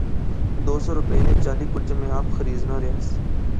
دو سو روپے نے چالی کلچے میں آپ خریزنا ریاس